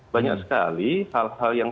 banyak sekali hal hal yang